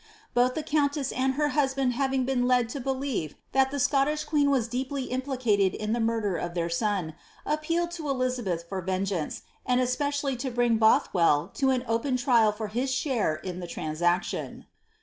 Both the countess and her husband baring been led to believe that the Scottish queen was deeply implicatetl in the murder of their son, appealed to Elizabeth for vengeance, and es pecially to bring Bothwell to an open trial for his share in the transac tion.